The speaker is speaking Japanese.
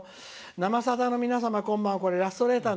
「「生さだ」の皆さんこんばんは。